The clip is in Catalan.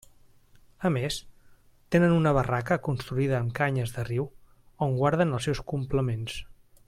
A més, tenen una barraca construïda amb canyes de riu on guarden els seus complements.